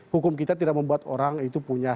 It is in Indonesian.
hukum kita tidak membuat orang itu punya